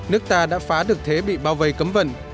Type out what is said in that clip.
nước ta đã phá được thế bị bao vây cấm vận